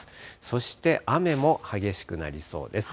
そして、雨も激しくなりそうです。